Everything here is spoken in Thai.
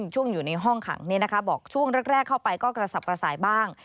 ช่วงอยู่ในห้องขังบอกช่วงแรกเข้าไปก็กระสับกระสายบ้าง